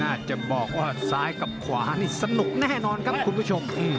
อาจจะบอกว่าซ้ายกับขวานี่สนุกแน่นอนครับคุณผู้ชม